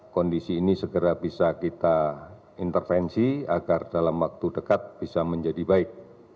kondisi ini segera bisa kita intervensi agar dalam waktu dekat bisa menjadi baik